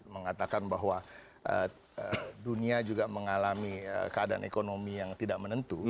mengatakan bahwa dunia juga mengalami keadaan ekonomi yang tidak menentu